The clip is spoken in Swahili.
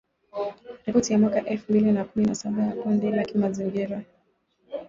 Ripoti ya mwaka elfu mbili na kumi na saba ya kundi la kimazingira